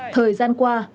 thời gian qua